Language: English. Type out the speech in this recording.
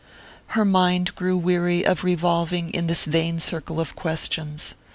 Her mind grew weary of revolving in this vain circle of questions.